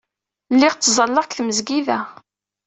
Lliɣ ttẓallaɣ deg tmesgida.